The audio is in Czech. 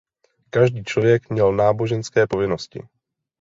Každý člověk měl náboženské povinnosti.